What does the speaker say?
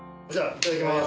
いただきます。